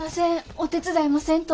お手伝いもせんと。